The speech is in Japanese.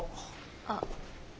あっ。